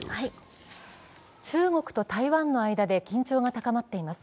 中国と台湾の間で緊張が高まっています。